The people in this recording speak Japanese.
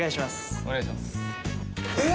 お願いしますえっ？